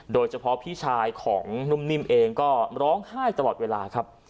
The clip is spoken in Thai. โดยเฉพาะพี่ชายของนุ่มนิ่มเองก็ร้องไห้ตลอดเวลาครับ